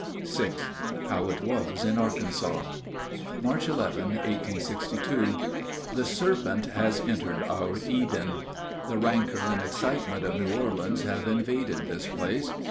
VI HOW IT WAS IN ARKANSAS March 11, 1862. The serpent has entered our Eden. The rancor and excitement of New Orleans have invaded this place.